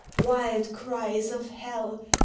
Wild cries of hell !